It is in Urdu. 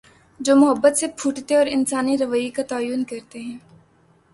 جومحبت سے پھوٹتے اور انسانی رویے کا تعین کر تے ہیں۔